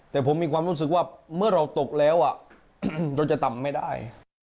แต่ผมมีความรู้สึกว่าเมื่อเราตกแล้วเราจะต่ำไม่ได้